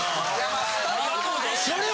それは！